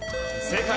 正解。